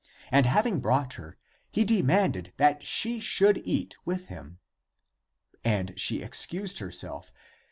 And having brought her, he demanded that she should eat with him. And she excused herself.